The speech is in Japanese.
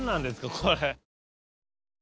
これ。